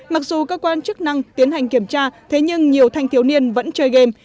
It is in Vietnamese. mặc dù cơ quan chức năng tiến hành kiểm tra thế nhưng nhiều thanh thiếu niên vẫn chơi game